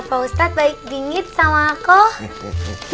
pak ustadz baik dingin sama aku